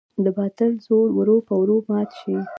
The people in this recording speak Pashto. د باطل زور ورو په ورو مات شي.